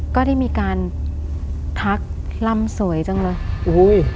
ก็ได้มีการทักลำสวยจังเลยอุ้ย